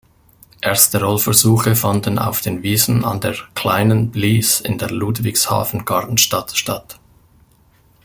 Erste Rollversuche fanden auf den Wiesen an der "kleinen Blies" in Ludwigshafen-Gartenstadt statt.